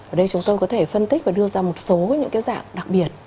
ở đây chúng tôi có thể phân tích và đưa ra một số những cái dạng đặc biệt